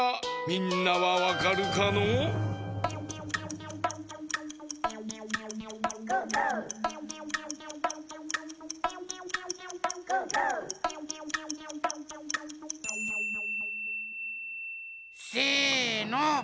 みんなはわかるかのう？せの！